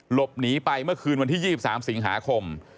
หลบหนีไปเมื่อคืนวันที่๒๓สิงหาคม